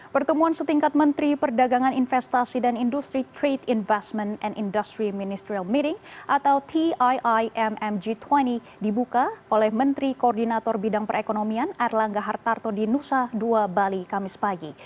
pertemuan setingkat menteri perdagangan investasi dan industri trade investment and industry ministerial meeting atau tiimmg dua puluh dibuka oleh menteri koordinator bidang perekonomian erlangga hartarto di nusa dua bali kamis pagi